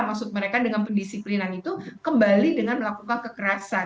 maksud mereka dengan pendisiplinan itu kembali dengan melakukan kekerasan